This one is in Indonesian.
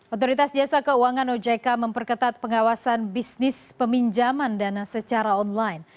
otoritas jasa keuangan ojk memperketat pengawasan bisnis peminjaman dana secara online